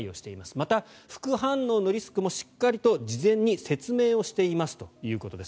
また、副反応のリスクもしっかりと事前に説明をしていますということです。